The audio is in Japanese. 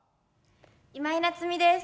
今井菜津美です。